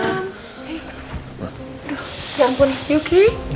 ya ampun yuk